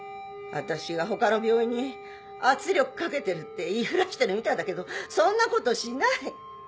私が他の病院に圧力かけてるって言いふらしてるみたいだけどそんなことしない